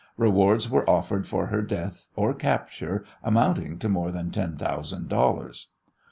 Rewards were offered for her death or capture amounting to more than ten thousand dollars.